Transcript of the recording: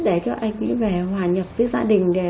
để cho anh ấy về hòa nhập với gia đình